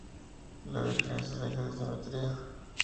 La Virgen es el eje de simetría.